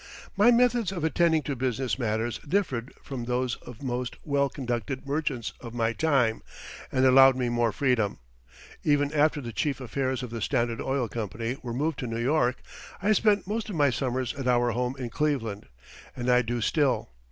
My methods of attending to business matters differed from those of most well conducted merchants of my time and allowed me more freedom. Even after the chief affairs of the Standard Oil Company were moved to New York, I spent most of my summers at our home in Cleveland, and I do still.